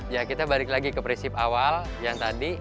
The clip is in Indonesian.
ya kita balik lagi ke prinsip awal yang tadi